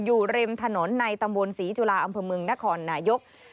อยู่ริมถนนในตำบลศรีจุฬาอำเภอเมืองนครนายก